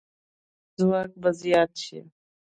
که خلک یو موټی شي، نو ځواک به زیات شي.